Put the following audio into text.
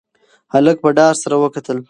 هلک په ډار سره وکتل.